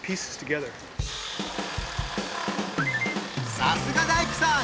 さすが大工さん！